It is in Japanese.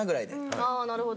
なるほど。